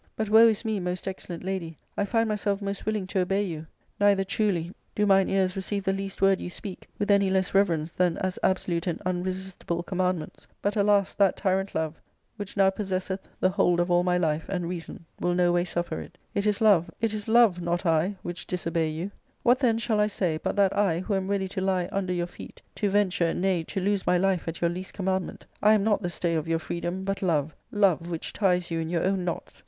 But woe is me, most excellent lady ! I find myself most willing to obey you, neither truly do mine ears ARCADIA.—Book III. 259 receive the least word you speak with any less reverence than as absolute and unresistible commandments ; but, alas, that tyrant Love, which now possesseth the hold of all my life andj^ reason, will no way suffer it It is Love, it is Love, not I, / ^tf^j, which disobey you 1 What then shall I say, but that I, who '/« y, >; am ready to lie under your feet, to venture, nay, to lose my /"/^ life at your least commandment, I am not the stay of your^ freedom, but Love, Love, which ties you in your own knots